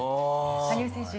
羽生選手